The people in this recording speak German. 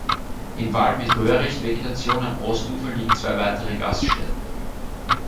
Im Wald mit Röhricht-Vegetation am Ostufer liegen zwei weitere Gaststätten.